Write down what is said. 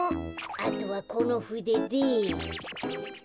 あとはこのふでで。